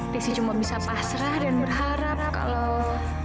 desi cuma bisa pasrah dan berharap kalau